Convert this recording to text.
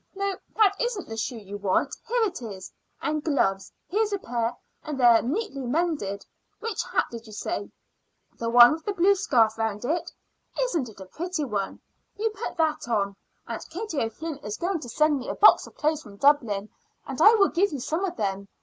No, that isn't the shoe you want; here it is. And gloves here's a pair, and they're neatly mended. Which hat did you say the one with the blue scarf round it? Isn't it a pretty one? You put that on. Aunt Katie O'Flynn is going to send me a box of clothes from Dublin, and I will give you some of them.